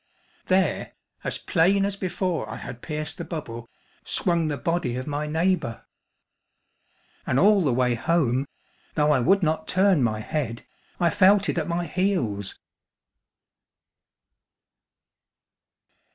There, as plain as before I had pierced the bubble, swung the body of my neighbor. And all the way home, though I would not turn my head, I felt it at my heels.